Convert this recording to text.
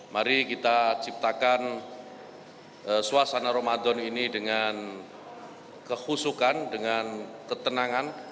mari kita ciptakan suasana ramadan ini dengan kehusukan dengan ketenangan